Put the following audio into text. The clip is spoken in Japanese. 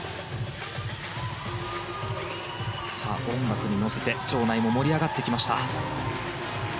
音楽に乗せて場内も盛り上がってきました。